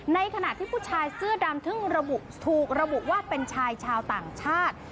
ในขณะที่ผู้ชายเสื้อดำถึงระบุถูกระบุว่าเป็นชายชาวต่างชาติ